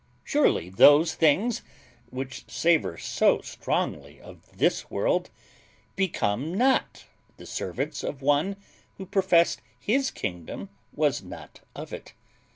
Surely those things, which savour so strongly of this world, become not the servants of one who professed His kingdom was not of it.